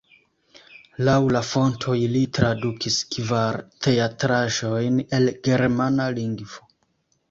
Laŭ la fontoj li tradukis kvar teatraĵojn el germana lingvo.